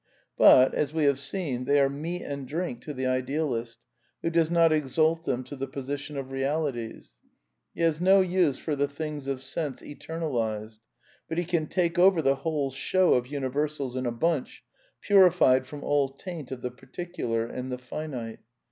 But, as we have seen, they are meat and drink to the idealist, who does not exalt them to the position of realities. He has no use for the things of sense eternalized ; but he can take over the whole sHow of universals in a bunch, purified from all taint of the par ticular and the finite.